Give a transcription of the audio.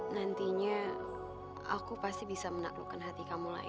nantinya aku pasti bisa menaklukkan hati kamu lagi